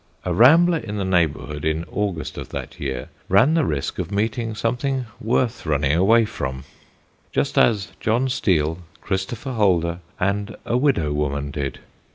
A rambler in the neighbourhood, in August of that year, ran the risk of meeting something worth running away from; just as John Steel, Christopher Holder, and a widow woman did.